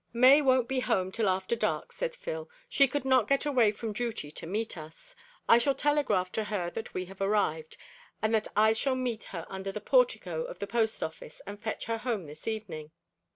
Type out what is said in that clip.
"May won't be home till after dark," said Phil. "She could not get away from duty to meet us. I shall telegraph to her that we have arrived, and that I shall meet her under the portico of the Post Office and fetch her home this evening."